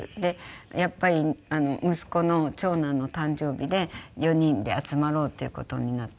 やっぱり息子の長男の誕生日で４人で集まろうっていう事になって。